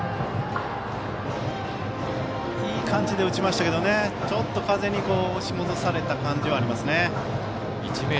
いい感じで打ちましたけどちょっと風に押し戻された感じはありますね。